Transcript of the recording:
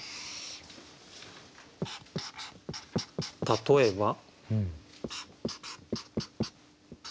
例えば。